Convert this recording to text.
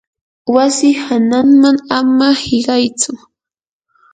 wasi hananman ama hiqaytsu.